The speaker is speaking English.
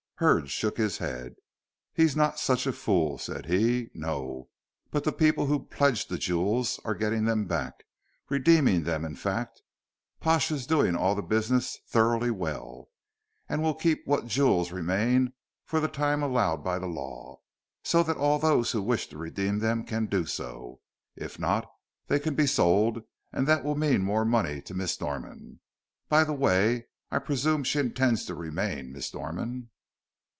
Hurd shook his head. "He's not such a fool," said he. "No! But the people who pledged the jewels are getting them back redeeming them, in fact. Pash is doing all the business thoroughly well, and will keep what jewels remain for the time allowed by law, so that all those who wish to redeem them can do so. If not, they can be sold, and that will mean more money to Miss Norman by the way, I presume she intends to remain Miss Norman."